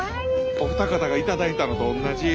お二方が頂いたのとおんなじ。